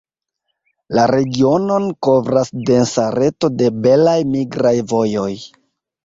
La regionon kovras densa reto de belaj migraj vojoj.